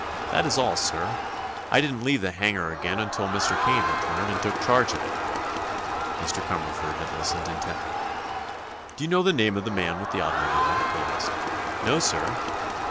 That is all, sir. I didn't leave the hangar again until Mr. Kane returned and took charge of it." Mr. Cumberford had listened intently. "Do you know the name of the man with the automobile?" he asked. "No, sir."